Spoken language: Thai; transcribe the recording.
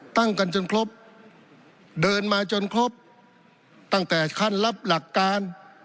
ตั้งกันจนครบเดินมาจนครบตั้งแต่ขั้นรับหลักการ